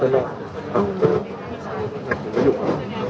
เขาไม่มีเครื่อง